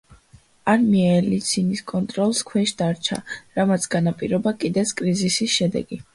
არმია ელცინის კონტროლს ქვეშ დარჩა, რამაც განაპირობა კიდეც კრიზისის შედეგი.